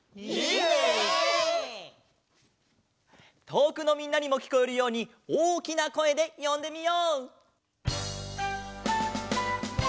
とおくのみんなにもきこえるようにおおきなこえでよんでみよう！